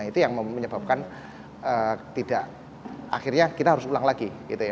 itu yang menyebabkan akhirnya kita harus pulang lagi